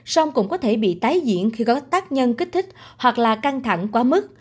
xong cũng có thể bị tái diễn khi có tác nhân kích thích hoặc là căng thẳng quá mức